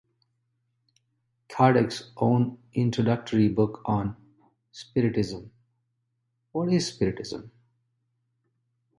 Kardec's own introductory book on Spiritism, What is Spiritism?